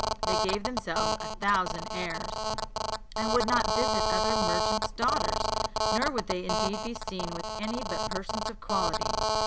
They gave themselves a thousand airs, and would not visit other merchants' daughters; nor would they indeed be seen with any but persons of quality.